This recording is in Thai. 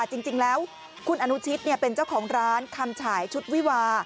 จริงแล้วคุณอนุชิตเป็นเจ้าของร้านคำฉายชุดวิวา